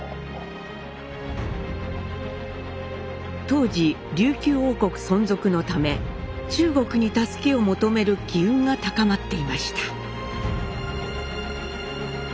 当時琉球王国存続のため中国に助けを求める機運が高まっていました。